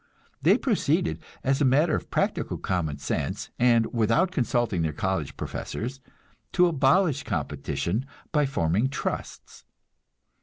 They proceeded, as a matter of practical common sense, and without consulting their college professors, to abolish competition by forming trusts.